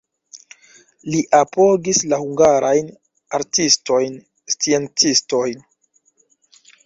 Li apogis la hungarajn artistojn, sciencistojn.